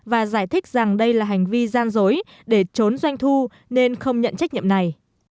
và giải thích rằng đây là hành vi gian dối để trốn doanh thu nên không nhận trách nhiệm này